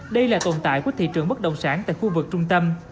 đây là tồn tại của thị trường bất động sản tại khu vực trung tâm